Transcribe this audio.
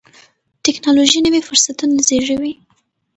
ټیکنالوژي نوي فرصتونه زیږوي.